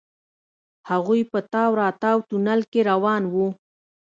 هغوئ په تاو راتاو تونل کې روان وو.